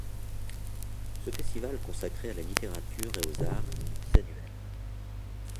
Ce festival consacré à la littérature et aux arts est bisannuel.